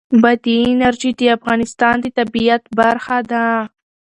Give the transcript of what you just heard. بادي انرژي د افغانستان د طبیعت برخه ده.